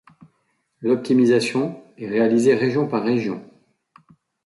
L'optimisation est réalisée région par région.